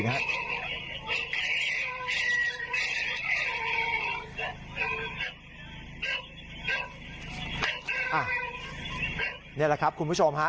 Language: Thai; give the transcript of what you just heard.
นี่แหละครับคุณผู้ชมฮะ